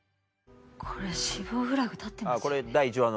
これ死亡フラグ立ってますよね。